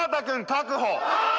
確保。